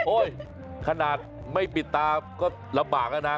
โอ้ยขนาดไม่ปิดตาก็ระบากนะ